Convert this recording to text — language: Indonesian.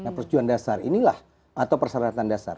nah persetujuan dasar inilah atau persyaratan dasar